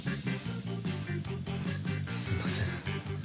すいません。